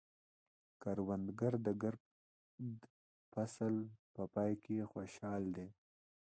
کروندګر د ګرده فصل په پای کې خوشحال دی